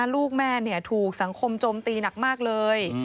ลูกแม่ถูกสังคมโจมตีหนักมากเลย